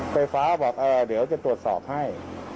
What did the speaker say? ไฟฟ้าบอกเดี๋ยวจะตรวจสอบให้